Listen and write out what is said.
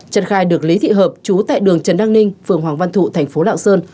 trật khai được lý thị hợp chú tại đường trần đăng ninh phường hoàng văn thụ tp lạng sơn